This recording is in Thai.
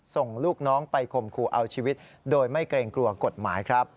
ส่งลูกน้องไปข่มขู่เอาชีวิตโดยไม่เกรงกลัวกฎหมายครับ